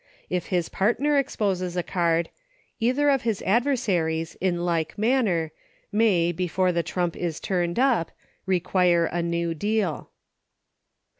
If his partner exposes a card, either of the adversaries, in like manner, may, before the trump is turned up, require a new deal.